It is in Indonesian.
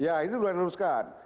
ya ini luar diluruskan